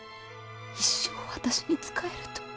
一生私に仕えると。